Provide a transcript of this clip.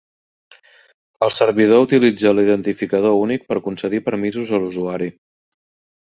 El servidor utilitza l'identificador únic per concedir permisos a l'usuari.